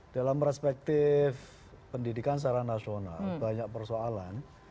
dalam perspektif pendidikan secara nasional banyak persoalan